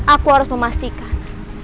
aku harus memastikan